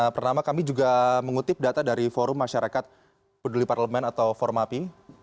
pertama kami juga mengutip data dari forum masyarakat peduli parlemen atau formapi